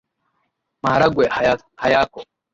Maharagwe hayako